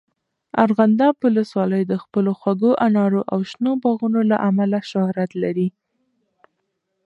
ارغنداب ولسوالۍ د خپلو خوږو انارو او شنو باغونو له امله شهرت لري.